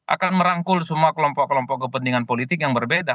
akan merangkul semua kelompok kelompok kepentingan politik yang berbeda